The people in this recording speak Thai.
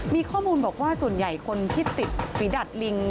มีข้อมูลบอกว่าส่วนใหญ่คนที่ติดฝีดัดลิง